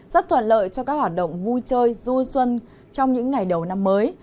rất thuận lợi cho các hoạt động vui chơi du xuân trong những ngày đầu năm mới